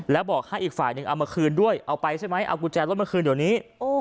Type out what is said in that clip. แล้วบอกให้อีกฝ่ายหนึ่งเอามาคืนด้วยเอาไปใช่ไหมเอากุญแจรถมาคืนเดี๋ยวนี้